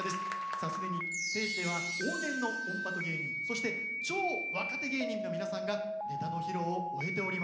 さあすでにステージでは往年のオンバト芸人そして超若手芸人の皆さんがネタの披露を終えております。